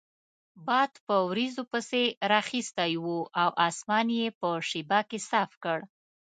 باد په وریځو پسې رااخیستی وو او اسمان یې په شیبه کې صاف کړ.